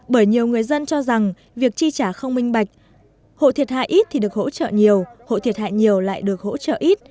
bởi nhiều người dân cho rằng việc chi trả không minh bạch hộ thiệt hại ít thì được hỗ trợ nhiều hộ thiệt hại nhiều lại được hỗ trợ ít